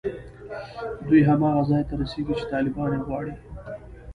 دوی هماغه ځای ته رسېږي چې طالبان یې غواړي